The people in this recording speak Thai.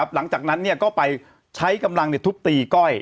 หลังจากนั้นก็ไปใช้กำลังทุบตีก้อย